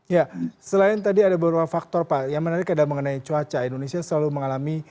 ya selain tadi ada beberapa faktor pak yang menarik adalah mengenai cuaca